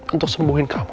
untuk sembuhin kamu